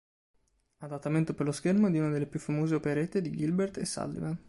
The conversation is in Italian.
Adattamento per lo schermo di una delle più famose operette di Gilbert e Sullivan.